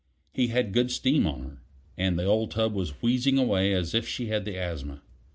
He had good steam on her, and the old tub was wheezing away as if she had the asthma.